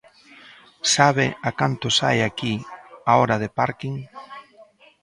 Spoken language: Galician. ¿Sabe a canto sae aquí a hora de párking?